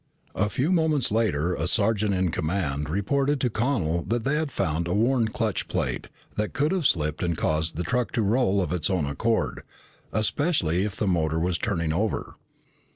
A few moments later the sergeant in command reported to Connel that they had found a worn clutch plate that could have slipped and caused the truck to roll of its own accord, especially if the motor was turning over.